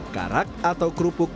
karak atau kerupuk